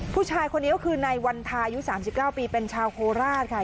ผู้ชายคนนี้ก็คือนายวันทายุ๓๙ปีเป็นชาวโคราชค่ะ